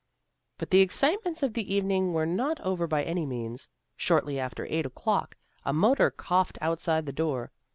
But the excitements of the evening were not over by any means. Shortly after eight o'clock, a motor coughed outside the door.